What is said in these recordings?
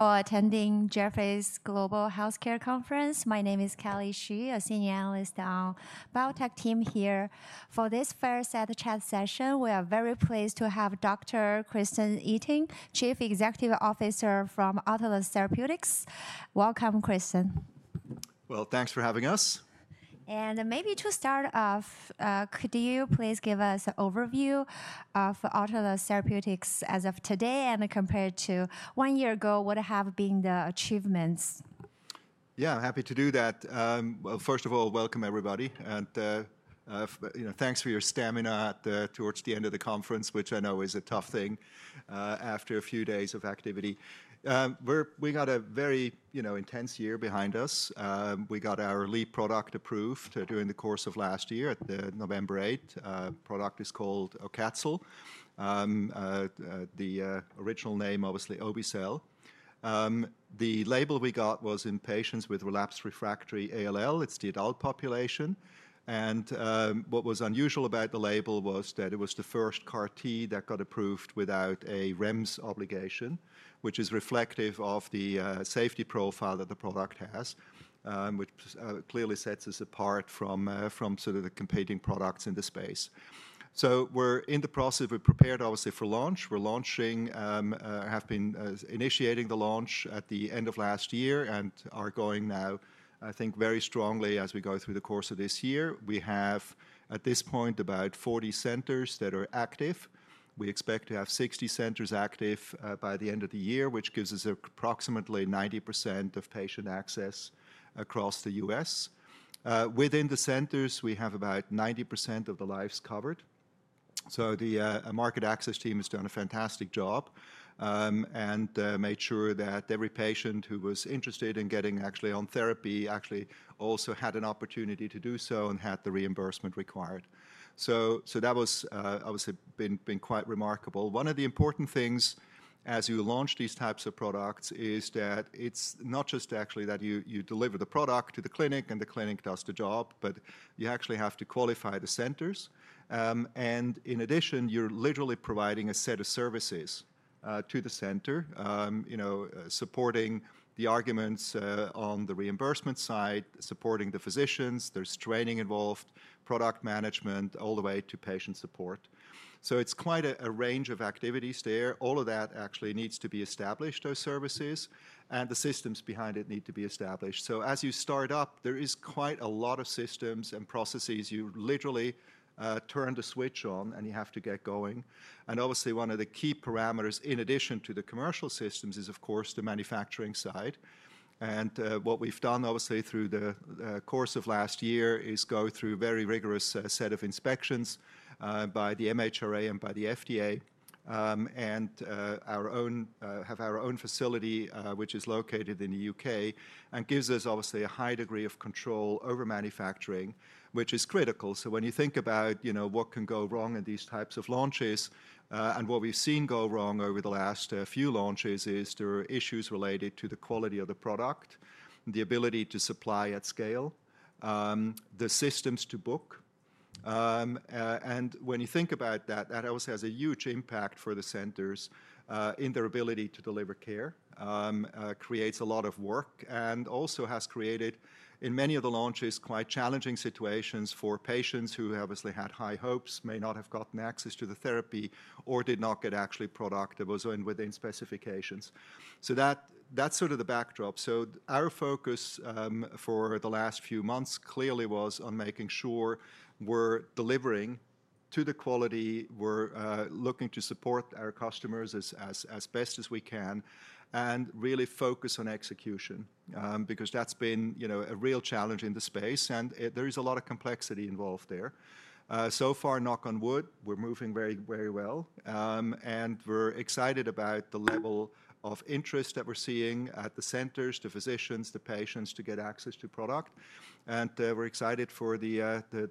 For attending Jefferies Global Healthcare Conference. My name is Kelly Xu, a senior analyst on the biotech team here. For this first at-a-trip session, we are very pleased to have Dr. Christian Itin, Chief Executive Officer from Autolus Therapeutics. Welcome, Christian. Thanks for having us. Maybe to start off, could you please give us an overview of Autolus Therapeutics as of today and compared to one year ago? What have been the achievements? Yeah, I'm happy to do that. First of all, welcome everybody. Thanks for your stamina towards the end of the conference, which I know is a tough thing after a few days of activity. We got a very intense year behind us. We got our lead product approved during the course of last year at November 8. The product is called AUCATZYL, the original name, obviously, obe-cel. The label we got was in patients with relapsed refractory ALL. It's the adult population. What was unusual about the label was that it was the first CAR-T that got approved without a REMS obligation, which is reflective of the safety profile that the product has, which clearly sets us apart from sort of the competing products in the space. We're in the process. We're prepared, obviously, for launch. We're launching. We have been initiating the launch at the end of last year and are going now, I think, very strongly as we go through the course of this year. We have, at this point, about 40 centers that are active. We expect to have 60 centers active by the end of the year, which gives us approximately 90% of patient access across the U.S. Within the centers, we have about 90% of the lives covered. The market access team has done a fantastic job and made sure that every patient who was interested in getting actually on therapy actually also had an opportunity to do so and had the reimbursement required. That was, obviously, quite remarkable. One of the important things as you launch these types of products is that it's not just actually that you deliver the product to the clinic and the clinic does the job, but you actually have to qualify the centers. In addition, you're literally providing a set of services to the center, supporting the arguments on the reimbursement side, supporting the physicians. There's training involved, product management, all the way to patient support. It is quite a range of activities there. All of that actually needs to be established, those services, and the systems behind it need to be established. As you start up, there is quite a lot of systems and processes you literally turn the switch on and you have to get going. Obviously, one of the key parameters, in addition to the commercial systems, is, of course, the manufacturing side. What we've done, obviously, through the course of last year is go through a very rigorous set of inspections by the MHRA and by the FDA and have our own facility, which is located in the U.K., and gives us, obviously, a high degree of control over manufacturing, which is critical. When you think about what can go wrong in these types of launches, and what we've seen go wrong over the last few launches is there are issues related to the quality of the product, the ability to supply at scale, the systems to book. When you think about that, that obviously has a huge impact for the centers in their ability to deliver care, creates a lot of work, and also has created, in many of the launches, quite challenging situations for patients who have obviously had high hopes, may not have gotten access to the therapy, or did not get actually productive within specifications. That is sort of the backdrop. Our focus for the last few months clearly was on making sure we are delivering to the quality, we are looking to support our customers as best as we can, and really focus on execution because that has been a real challenge in the space. There is a lot of complexity involved there. So far, knock on wood, we are moving very, very well. We're excited about the level of interest that we're seeing at the centers, the physicians, the patients to get access to product. We're excited for the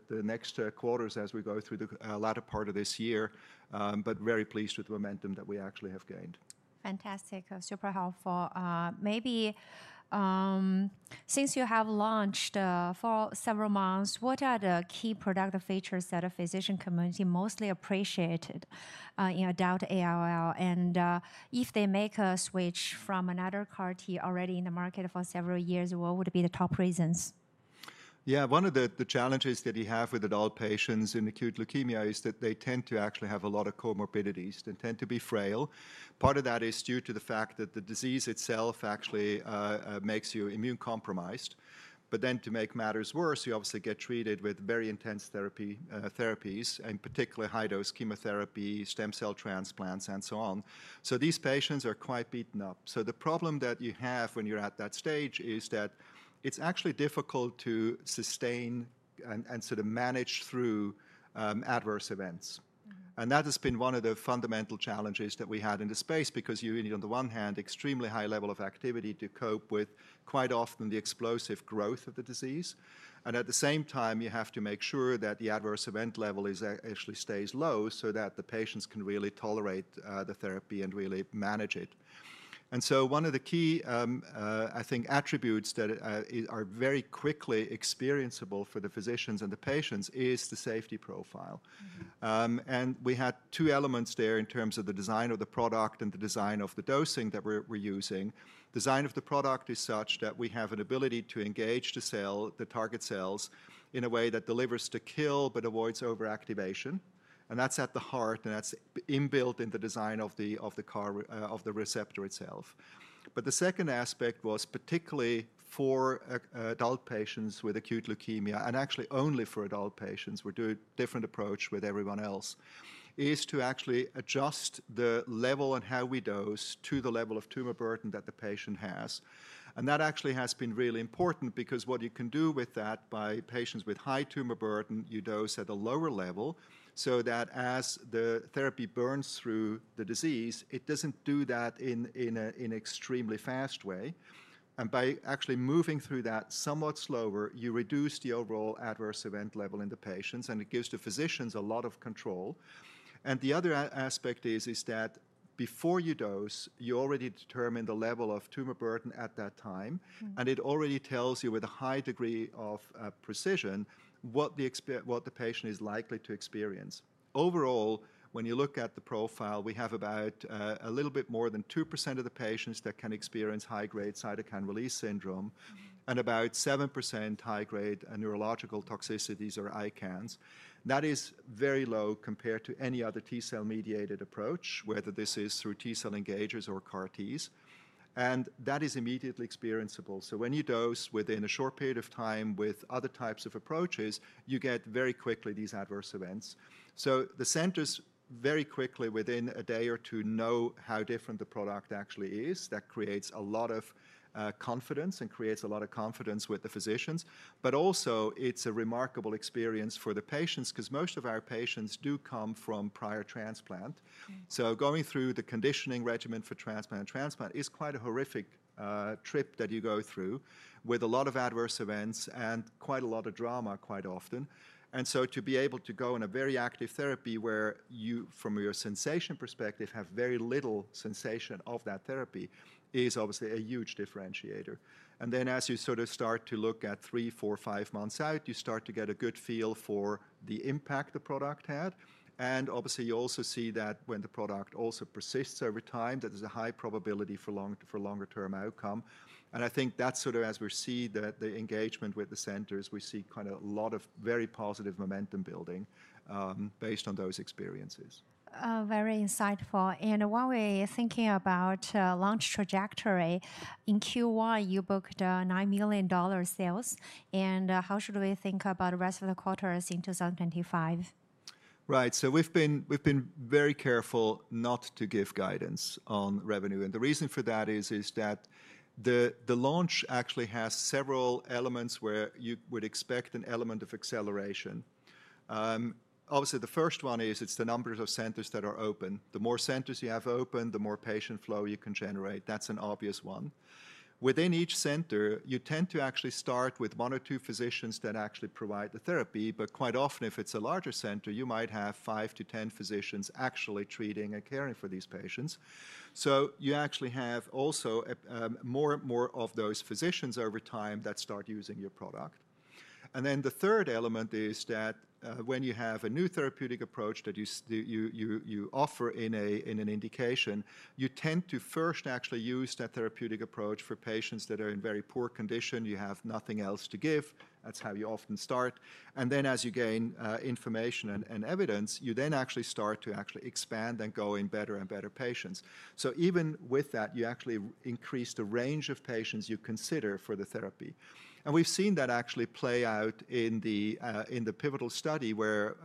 next quarters as we go through the latter part of this year, but very pleased with the momentum that we actually have gained. Fantastic. Super helpful. Maybe since you have launched for several months, what are the key product features that the physician community mostly appreciated in adult ALL? If they make a switch from another CAR-T already in the market for several years, what would be the top reasons? Yeah, one of the challenges that you have with adult patients in acute leukemia is that they tend to actually have a lot of comorbidities. They tend to be frail. Part of that is due to the fact that the disease itself actually makes you immune compromised. To make matters worse, you obviously get treated with very intense therapies and particularly high-dose chemotherapy, stem cell transplants, and so on. These patients are quite beaten up. The problem that you have when you're at that stage is that it's actually difficult to sustain and sort of manage through adverse events. That has been one of the fundamental challenges that we had in the space because you need, on the one hand, an extremely high level of activity to cope with quite often the explosive growth of the disease. At the same time, you have to make sure that the adverse event level actually stays low so that the patients can really tolerate the therapy and really manage it. One of the key, I think, attributes that are very quickly experienceable for the physicians and the patients is the safety profile. We had two elements there in terms of the design of the product and the design of the dosing that we are using. The design of the product is such that we have an ability to engage the target cells in a way that delivers the kill but avoids overactivation. That is at the heart, and that is inbuilt in the design of the receptor itself. The second aspect was particularly for adult patients with acute leukemia, and actually only for adult patients. We're doing a different approach with everyone else, is to actually adjust the level and how we dose to the level of tumor burden that the patient has. That actually has been really important because what you can do with that, by patients with high tumor burden, you dose at a lower level so that as the therapy burns through the disease, it doesn't do that in an extremely fast way. By actually moving through that somewhat slower, you reduce the overall adverse event level in the patients, and it gives the physicians a lot of control. The other aspect is that before you dose, you already determine the level of tumor burden at that time, and it already tells you with a high degree of precision what the patient is likely to experience. Overall, when you look at the profile, we have about a little bit more than 2% of the patients that can experience high-grade cytokine release syndrome and about 7% high-grade neurological toxicities or ICANS. That is very low compared to any other T-cell mediated approach, whether this is through T-cell engagers or CAR-Ts. That is immediately experienceable. When you dose within a short period of time with other types of approaches, you get very quickly these adverse events. The centers very quickly, within a day or two, know how different the product actually is. That creates a lot of confidence and creates a lot of confidence with the physicians. It is a remarkable experience for the patients because most of our patients do come from prior transplant. Going through the conditioning regimen for transplant and transplant is quite a horrific trip that you go through with a lot of adverse events and quite a lot of drama quite often. To be able to go on a very active therapy where you, from your sensation perspective, have very little sensation of that therapy is obviously a huge differentiator. As you sort of start to look at three, four, five months out, you start to get a good feel for the impact the product had. Obviously, you also see that when the product also persists over time, that there is a high probability for longer-term outcome. I think that is sort of, as we see the engagement with the centers, we see kind of a lot of very positive momentum building based on those experiences. Very insightful. While we're thinking about launch trajectory, in Q1, you booked $9 million sales. How should we think about the rest of the quarters in 2025? Right. So we've been very careful not to give guidance on revenue. The reason for that is that the launch actually has several elements where you would expect an element of acceleration. Obviously, the first one is it's the numbers of centers that are open. The more centers you have open, the more patient flow you can generate. That's an obvious one. Within each center, you tend to actually start with one or two physicians that actually provide the therapy. Quite often, if it's a larger center, you might have five to ten physicians actually treating and caring for these patients. You actually have also more and more of those physicians over time that start using your product. The third element is that when you have a new therapeutic approach that you offer in an indication, you tend to first actually use that therapeutic approach for patients that are in very poor condition. You have nothing else to give. That is how you often start. As you gain information and evidence, you then actually start to expand and go in better and better patients. Even with that, you actually increase the range of patients you consider for the therapy. We have seen that actually play out in the pivotal study where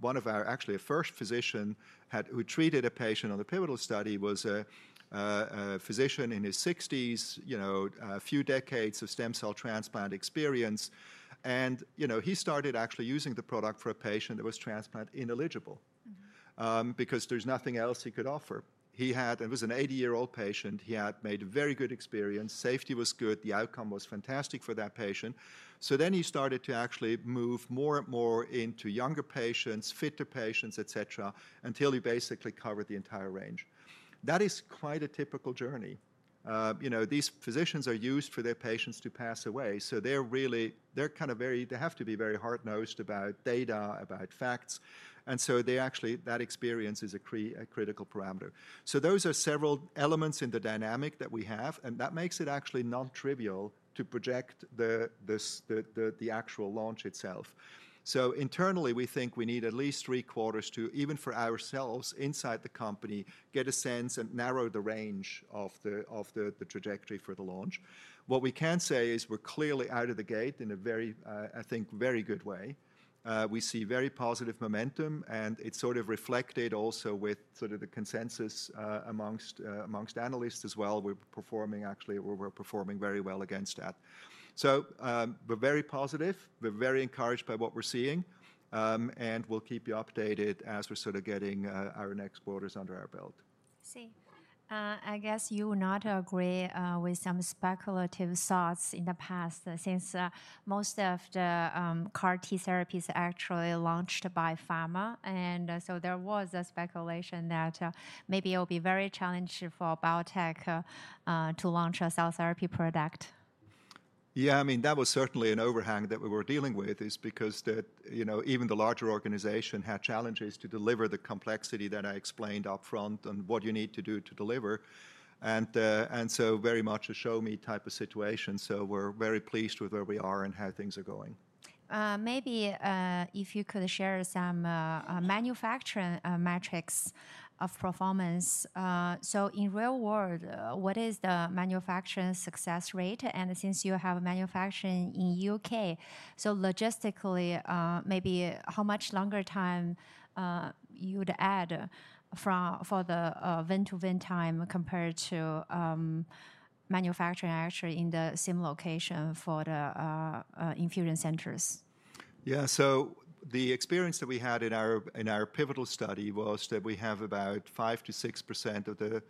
one of our first physicians who treated a patient on the pivotal study was a physician in his 60s, a few decades of stem cell transplant experience. He started actually using the product for a patient that was transplant ineligible because there is nothing else he could offer. It was an 80-year-old patient. He had made very good experience. Safety was good. The outcome was fantastic for that patient. Then he started to actually move more and more into younger patients, fitter patients, et cetera, until he basically covered the entire range. That is quite a typical journey. These physicians are used for their patients to pass away. They have to be very hard-nosed about data, about facts. Actually, that experience is a critical parameter. Those are several elements in the dynamic that we have. That makes it actually non-trivial to project the actual launch itself. Internally, we think we need at least three quarters to, even for ourselves inside the company, get a sense and narrow the range of the trajectory for the launch. What we can say is we're clearly out of the gate in a very, I think, very good way. We see very positive momentum. It is sort of reflected also with sort of the consensus amongst analysts as well. We're performing, actually we're performing very well against that. We are very positive. We are very encouraged by what we're seeing. We will keep you updated as we're sort of getting our next quarters under our belt. I see. I guess you would not agree with some speculative thoughts in the past since most of the CAR-T therapies are actually launched by pharma. There was a speculation that maybe it will be very challenging for biotech to launch a cell therapy product. Yeah, I mean, that was certainly an overhang that we were dealing with is because even the larger organization had challenges to deliver the complexity that I explained upfront and what you need to do to deliver. It is very much a show-me type of situation. We are very pleased with where we are and how things are going. Maybe if you could share some manufacturing metrics of performance. In real world, what is the manufacturing success rate? Since you have manufacturing in the U.K., logistically, maybe how much longer time you would add for the vein-to-vein time compared to manufacturing actually in the same location for the infusion centers? Yeah, so the experience that we had in our pivotal study was that we have about 5%-6% of the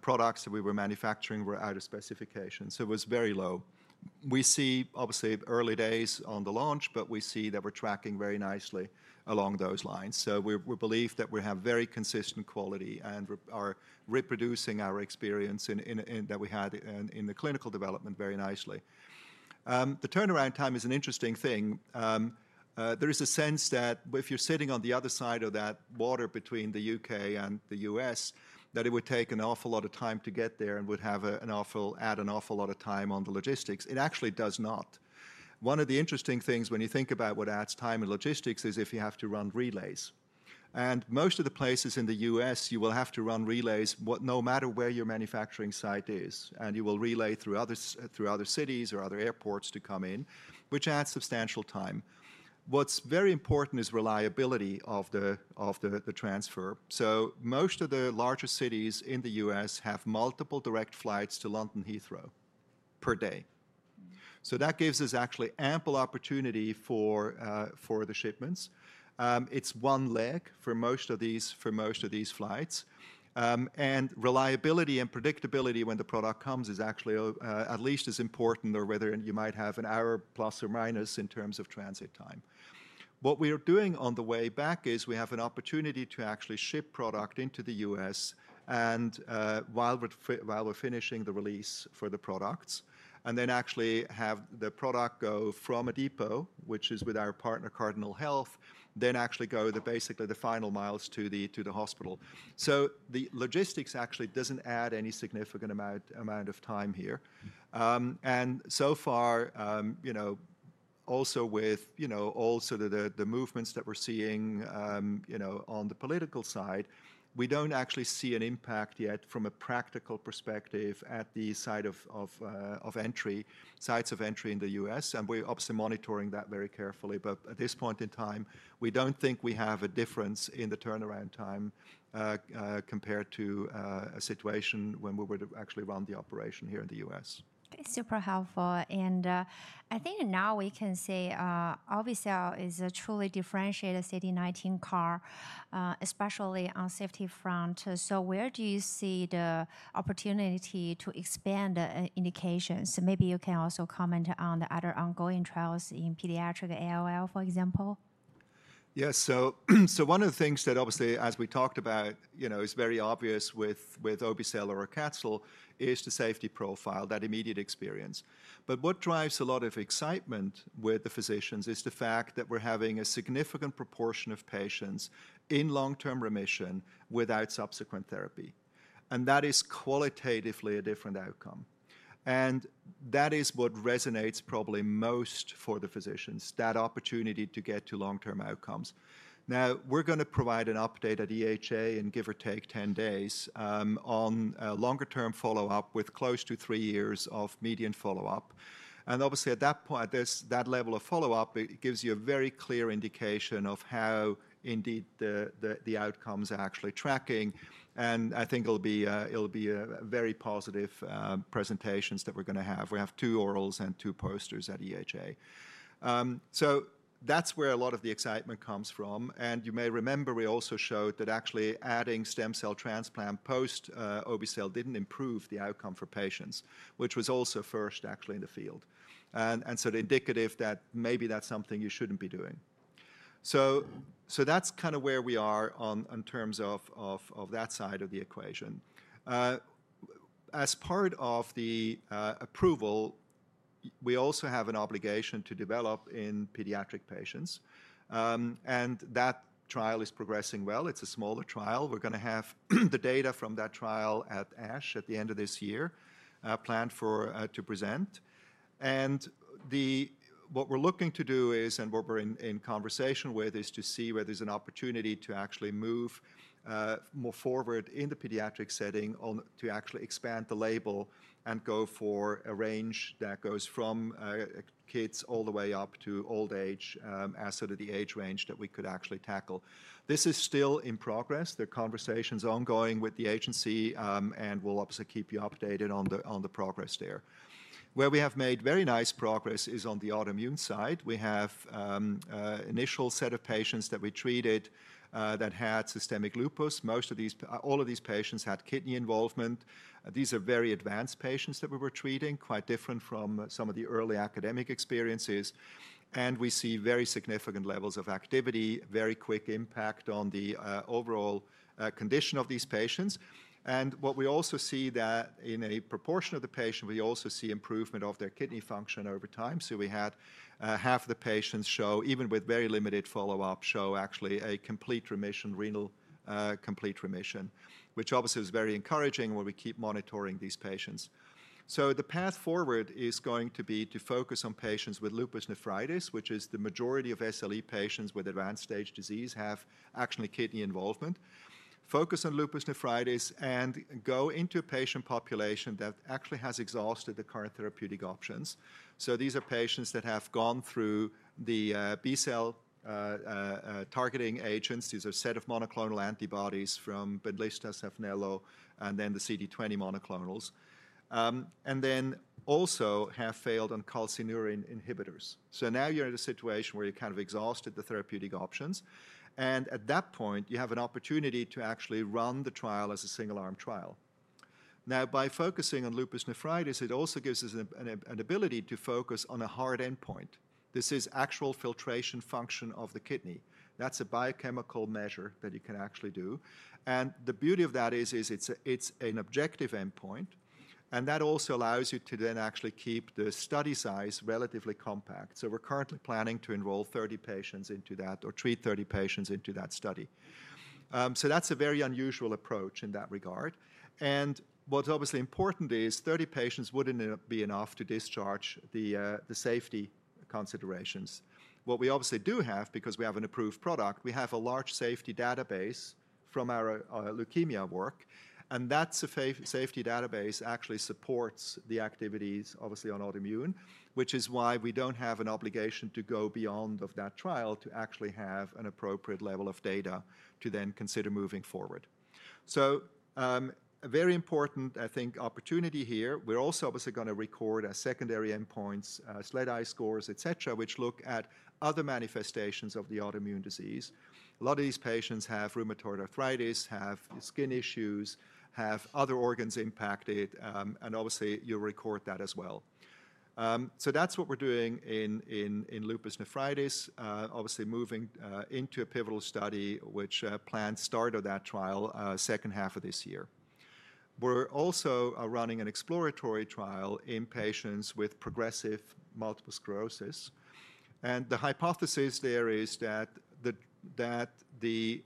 products that we were manufacturing were out of specification. So it was very low. We see, obviously, early days on the launch, but we see that we're tracking very nicely along those lines. We believe that we have very consistent quality and are reproducing our experience that we had in the clinical development very nicely. The turnaround time is an interesting thing. There is a sense that if you're sitting on the other side of that water between the U.K. and the U.S., that it would take an awful lot of time to get there and would add an awful lot of time on the logistics. It actually does not. One of the interesting things when you think about what adds time and logistics is if you have to run relays. Most of the places in the U.S., you will have to run relays no matter where your manufacturing site is. You will relay through other cities or other airports to come in, which adds substantial time. What's very important is reliability of the transfer. Most of the larger cities in the U.S. have multiple direct flights to London Heathrow per day. That gives us actually ample opportunity for the shipments. It's one leg for most of these flights. Reliability and predictability when the product comes is actually at least as important or whether you might have an hour plus or minus in terms of transit time. What we are doing on the way back is we have an opportunity to actually ship product into the U.S while we're finishing the release for the products and then actually have the product go from a depot, which is with our partner Cardinal Health, then actually go basically the final miles to the hospital. The logistics actually doesn't add any significant amount of time here. So far, also with all sort of the movements that we're seeing on the political side, we don't actually see an impact yet from a practical perspective at the sites of entry in the U.S. We're obviously monitoring that very carefully. At this point in time, we don't think we have a difference in the turnaround time compared to a situation when we would actually run the operation here in the U.S. Super helpful. I think now we can say obe-cel is a truly differentiated CD19 CAR, especially on the safety front. Where do you see the opportunity to expand indications? Maybe you can also comment on the other ongoing trials in pediatric ALL, for example. Yeah, so one of the things that obviously, as we talked about, is very obvious with obe-cel or AUCATZYL is the safety profile, that immediate experience. What drives a lot of excitement with the physicians is the fact that we're having a significant proportion of patients in long-term remission without subsequent therapy. That is qualitatively a different outcome. That is what resonates probably most for the physicians, that opportunity to get to long-term outcomes. Now, we're going to provide an update at EHA in give or take 10 days on a longer-term follow-up with close to three years of median follow-up. At that point, that level of follow-up gives you a very clear indication of how indeed the outcomes are actually tracking. I think it'll be very positive presentations that we're going to have. We have two orals and two posters at EHA. That's where a lot of the excitement comes from. You may remember we also showed that actually adding stem cell transplant post obe-cel did not improve the outcome for patients, which was also first actually in the field. The indicative is that maybe that's something you should not be doing. That's kind of where we are in terms of that side of the equation. As part of the approval, we also have an obligation to develop in pediatric patients. That trial is progressing well. It's a smaller trial. We're going to have the data from that trial at ASH at the end of this year planned to present. What we are looking to do is, and what we are in conversation with, is to see whether there is an opportunity to actually move more forward in the pediatric setting to actually expand the label and go for a range that goes from kids all the way up to old age as sort of the age range that we could actually tackle. This is still in progress. The conversation is ongoing with the agency. We will obviously keep you updated on the progress there. Where we have made very nice progress is on the autoimmune side. We have an initial set of patients that we treated that had systemic lupus. Most of these, all of these patients had kidney involvement. These are very advanced patients that we were treating, quite different from some of the early academic experiences. We see very significant levels of activity, very quick impact on the overall condition of these patients. What we also see is that in a proportion of the patients, we also see improvement of their kidney function over time. We had half of the patients, even with very limited follow-up, show actually a complete remission, renal complete remission, which obviously was very encouraging when we keep monitoring these patients. The path forward is going to be to focus on patients with lupus nephritis, which is the majority of SLE patients with advanced stage disease who actually have kidney involvement, focus on lupus nephritis, and go into a patient population that actually has exhausted the current therapeutic options. These are patients that have gone through the B-cell targeting agents. These are a set of monoclonal antibodies from Benlysta, Saphnelo, and then the CD20 monoclonals. You also have failed on calcineurin inhibitors. Now you are in a situation where you have kind of exhausted the therapeutic options. At that point, you have an opportunity to actually run the trial as a single-arm trial. By focusing on lupus nephritis, it also gives us an ability to focus on a hard endpoint. This is actual filtration function of the kidney. That is a biochemical measure that you can actually do. The beauty of that is it is an objective endpoint. That also allows you to then actually keep the study size relatively compact. We are currently planning to enroll 30 patients into that or treat 30 patients into that study. That is a very unusual approach in that regard. What is obviously important is 30 patients would not be enough to discharge the safety considerations. What we obviously do have, because we have an approved product, we have a large safety database from our leukemia work. And that safety database actually supports the activities, obviously, on autoimmune, which is why we do not have an obligation to go beyond that trial to actually have an appropriate level of data to then consider moving forward. A very important, I think, opportunity here. We are also obviously going to record our secondary endpoints, SLEDAI scores, et cetera, which look at other manifestations of the autoimmune disease. A lot of these patients have rheumatoid arthritis, have skin issues, have other organs impacted. Obviously, you will record that as well. That is what we are doing in lupus nephritis, obviously moving into a pivotal study, which plans to start that trial second half of this year. We are also running an exploratory trial in patients with progressive multiple sclerosis. The hypothesis there is that the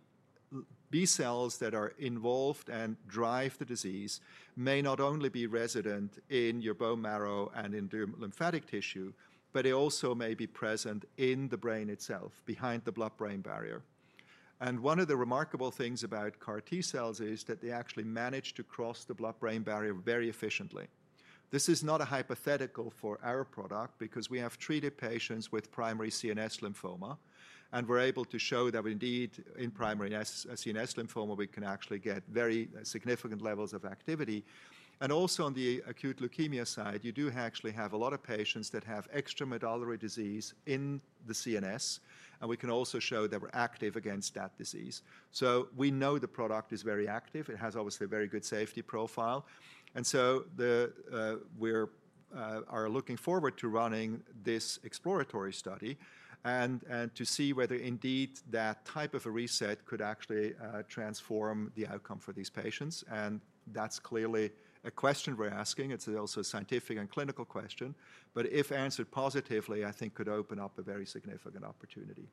B-cells that are involved and drive the disease may not only be resident in your bone marrow and in your lymphatic tissue, but they also may be present in the brain itself behind the blood-brain barrier. One of the remarkable things about CAR T-cells is that they actually manage to cross the blood-brain barrier very efficiently. This is not a hypothetical for our product because we have treated patients with primary CNS lymphoma. We are able to show that indeed in primary CNS lymphoma, we can actually get very significant levels of activity. Also on the acute leukemia side, you do actually have a lot of patients that have extramedullary disease in the CNS. We can also show that we are active against that disease. We know the product is very active. It has obviously a very good safety profile. We are looking forward to running this exploratory study and to see whether indeed that type of a reset could actually transform the outcome for these patients. That is clearly a question we are asking. It is also a scientific and clinical question. If answered positively, I think it could open up a very significant opportunity.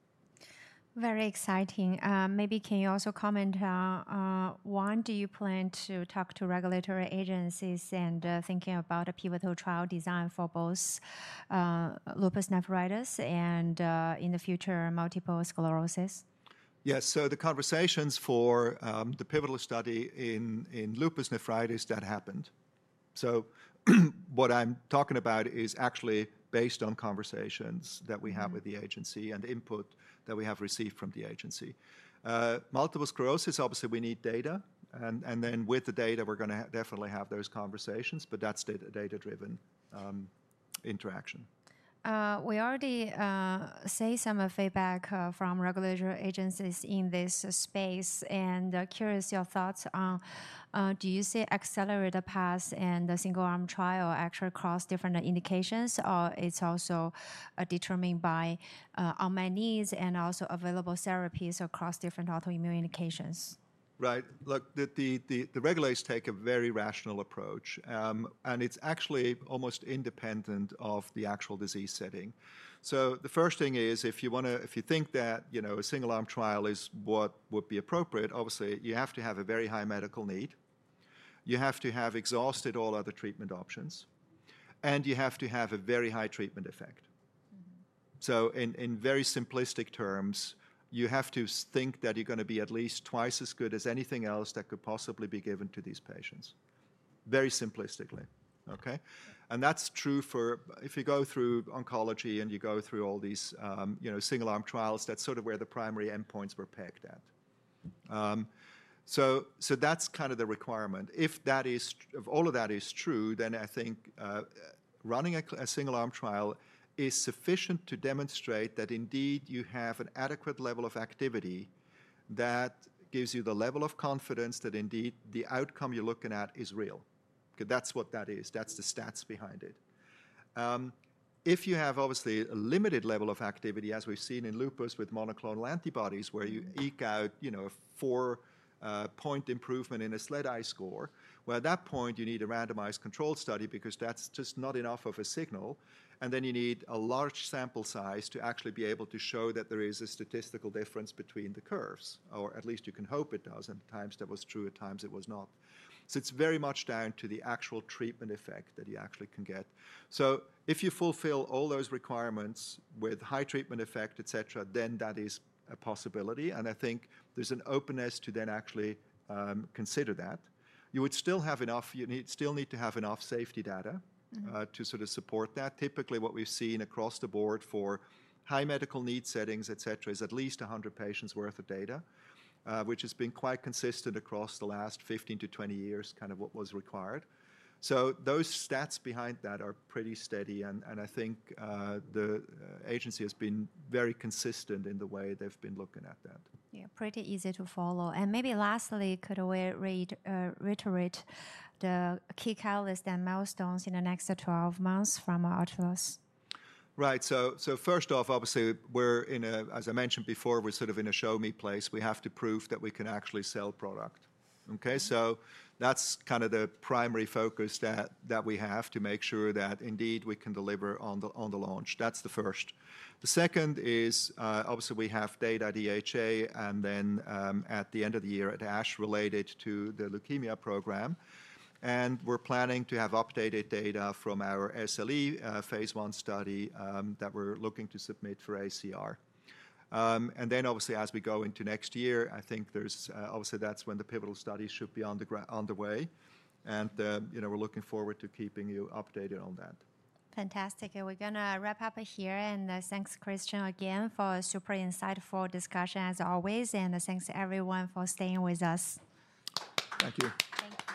Very exciting. Maybe can you also comment on do you plan to talk to regulatory agencies and thinking about a pivotal trial design for both lupus nephritis and in the future multiple sclerosis? Yes, the conversations for the pivotal study in lupus nephritis happened. What I'm talking about is actually based on conversations that we have with the agency and the input that we have received from the agency. Multiple sclerosis, obviously, we need data. With the data, we're going to definitely have those conversations. That is data-driven interaction. We already see some feedback from regulatory agencies in this space. Curious your thoughts on do you see accelerated paths and a single-arm trial actually across different indications? Or is it also determined by unmet needs and also available therapies across different autoimmune indications? Right. Look, the regulators take a very rational approach. It's actually almost independent of the actual disease setting. The first thing is if you think that a single-arm trial is what would be appropriate, obviously, you have to have a very high medical need. You have to have exhausted all other treatment options. You have to have a very high treatment effect. In very simplistic terms, you have to think that you're going to be at least twice as good as anything else that could possibly be given to these patients, very simplistically. OK? That's true for if you go through oncology and you go through all these single-arm trials, that's sort of where the primary endpoints were pegged at. That's kind of the requirement. If all of that is true, then I think running a single-arm trial is sufficient to demonstrate that indeed you have an adequate level of activity that gives you the level of confidence that indeed the outcome you're looking at is real. That's what that is. That's the stats behind it. If you have obviously a limited level of activity, as we've seen in lupus with monoclonal antibodies, where you eke out a four-point improvement in a SLEDAI score, at that point, you need a randomized control study because that's just not enough of a signal. You need a large sample size to actually be able to show that there is a statistical difference between the curves. Or at least you can hope it does. At times, that was true. At times, it was not. It is very much down to the actual treatment effect that you actually can get. If you fulfill all those requirements with high treatment effect, et cetera, then that is a possibility. I think there is an openness to then actually consider that. You would still need to have enough safety data to sort of support that. Typically, what we have seen across the board for high medical need settings, et cetera, is at least 100 patients' worth of data, which has been quite consistent across the last 15 years-20 years, kind of what was required. Those stats behind that are pretty steady. I think the agency has been very consistent in the way they have been looking at that. Yeah, pretty easy to follow. Maybe lastly, could we reiterate the key catalysts and milestones in the next 12 months from Autolus? Right. First off, obviously, we're in a, as I mentioned before, we're sort of in a show-me place. We have to prove that we can actually sell product. OK? That's kind of the primary focus that we have to make sure that indeed we can deliver on the launch. That's the first. The second is, obviously, we have data at EHA and then at the end of the year at ASH related to the leukemia program. We're planning to have updated data from our SLE phase one study that we're looking to submit for ACR. Obviously, as we go into next year, I think that's when the pivotal studies should be on the way. We're looking forward to keeping you updated on that. Fantastic. We are going to wrap up here. Thanks, Christian, again for a super insightful discussion, as always. Thanks, everyone, for staying with us. Thank you. Thank you.